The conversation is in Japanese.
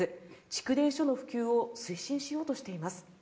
蓄電所の普及を推進しようとしています。